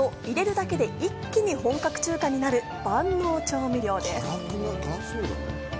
野菜炒めや麻婆豆腐など、入れるだけで一気に本格中華になる万能調味料です。